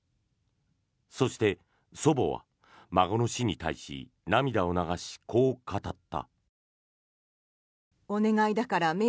そして、祖母は孫の死に対し涙を流し、こう語った。